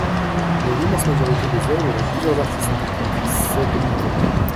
Mais l’immense majorité des œuvres ont plusieurs artistes interprètes – sept ou huit en moyenne.